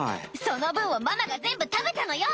その分をママが全部食べたのよ！